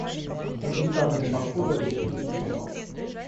Фрагментарные подходы обречены на провал.